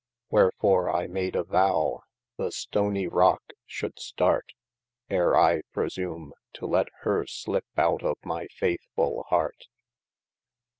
(Wherefore I made a vowe, the stoany rocke should start, [Ere I presume, to let her slippe out of my faithfull heart.